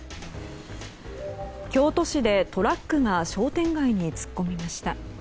京都市でトラックが商店街に突っ込みました。